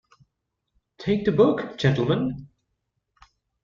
Take the book, gentlemen.